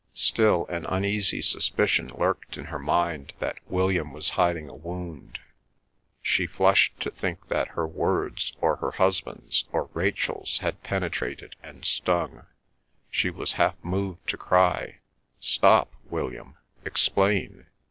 Still, an uneasy suspicion lurked in her mind that William was hiding a wound. She flushed to think that her words, or her husband's, or Rachel's had penetrated and stung. She was half moved to cry, "Stop, William; explain!"